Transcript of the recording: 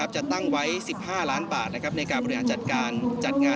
จะตั้งไว้๑๕ล้านบาทในการบริหารจัดการจัดงาน